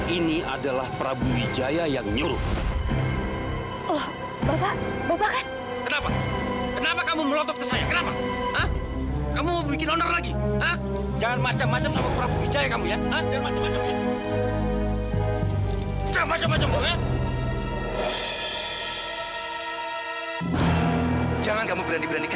iya pak maaf pak